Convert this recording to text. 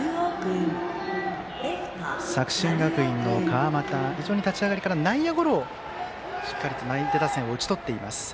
作新学院の川又非常に立ち上がりからよく内野ゴロで相手打線を打ち取っています。